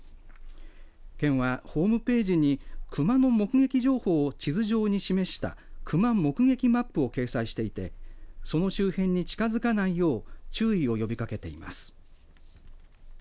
県はホームページに熊の目撃情報を地図上に示したクマ目撃マップを掲載していてその周辺に近づかないよう注意を呼びかけています。